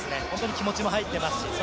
気持ちも入っています。